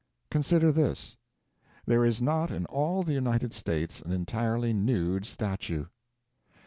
Consider this: "There is not in all the United States an entirely nude statue."